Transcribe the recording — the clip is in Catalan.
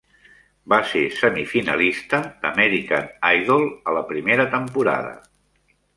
Va ser semifinalista d'American Idol a la primera temporada.